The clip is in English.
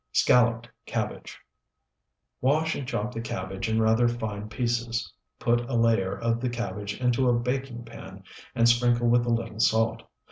SCALLOPED CABBAGE Wash and chop the cabbage in rather fine pieces. Put a layer of the cabbage into a baking pan and sprinkle with a little salt.